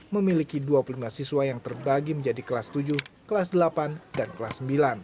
memiliki dua puluh lima siswa yang terbagi menjadi kelas tujuh kelas delapan dan kelas sembilan